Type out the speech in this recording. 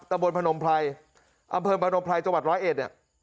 ตะบนพนมพลัยอำเภิลพนมพลัยจร้อยเอ็ด